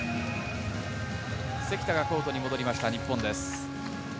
関田がコートに戻りました日本です。